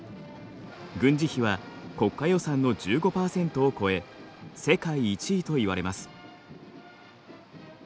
軍事費は国家予算の１５％を超え世界１位といわれます。